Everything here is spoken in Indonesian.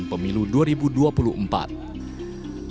untuk menyukseskan pemilu dua ribu dua puluh empat